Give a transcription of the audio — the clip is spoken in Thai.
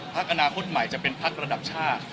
พักอนาคตใหม่จะเป็นพักระดับชาติ